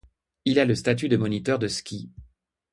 Il a le statut de moniteur de ski.